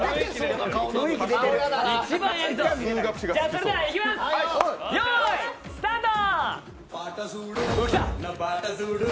それではいきますよーいスタート！